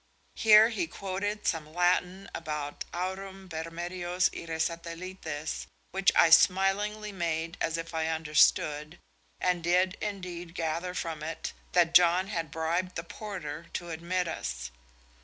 Here he quoted some Latin about "aurum per medios ire satellites," which I smilingly made as if I understood, and did indeed gather from it that John had bribed the porter to admit us.